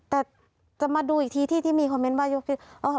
แต่จะมาดูอีกทีที่ที่มีคอมเมนต์ว่ายกที่